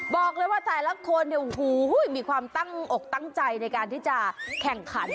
บอกเลยว่าแต่ละคนมีความตั้งอกตั้งใจในการที่จะแข่งขัน